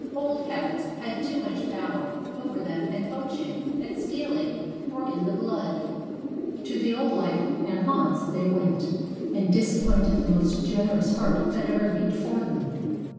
Old habits had too much power over them, and poaching and stealing were in the blood. To the old life and haunts they went, and disappointed the most generous heart that ever beat for them.